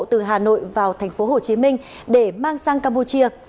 từ hà nội vào thành phố hồ chí minh để mang sang campuchia